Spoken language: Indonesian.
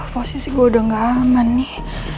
posisi gue udah gak aman nih